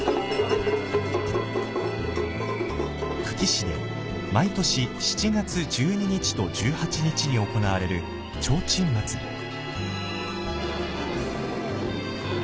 久喜市で毎年７月１２日と１８日に行われる提燈祭り。